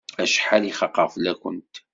Acḥal i xaqeɣ fell-akent!